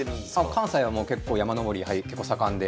関西はもう結構山登り結構盛んで。